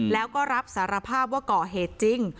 แล้วก็รับสารภาพว่าก่อเหตุจริง